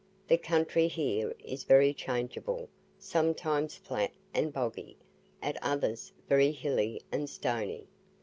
The country here is very changeable, sometimes flat and boggy, at others, very hilly and stony.